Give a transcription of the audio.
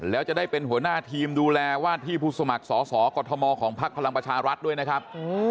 แล้วจะได้เป็นหัวหน้าทีมดูแลวาดที่ผู้สมัครสอสอกรทมของพักพลังประชารัฐด้วยนะครับ